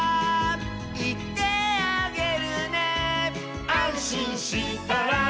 「いってあげるね」「あんしんしたら」